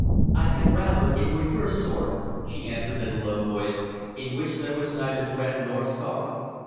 "I had rather it were your sword," she answered in a low voice, in which there was neither dread nor sorrow.